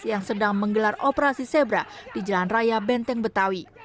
yang sedang menggelar operasi zebra di jalan raya benteng betawi